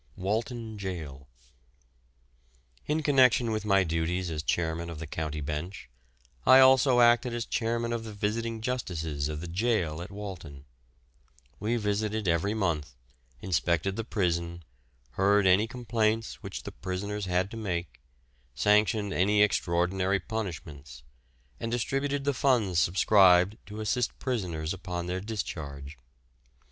WALTON JAIL. In connection with my duties as chairman of the County Bench, I also acted as chairman of the Visiting Justices of the Jail at Walton. We visited every month, inspected the prison, heard any complaints which the prisoners had to make, sanctioned any extraordinary punishments, and distributed the funds subscribed to assist prisoners upon their discharge.